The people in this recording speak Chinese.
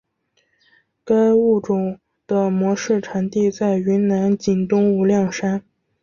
该物种的模式产地在云南景东无量山。